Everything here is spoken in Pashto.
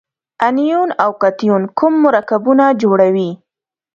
انیون او کتیون کوم مرکبونه جوړوي؟